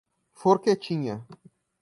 Forquetinha